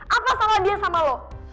apa salah dia sama lo